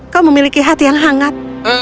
kau memiliki hati yang hangat